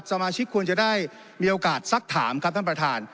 สมาชิกควรจะได้มีโอกาสสักถามครับท่านประธาน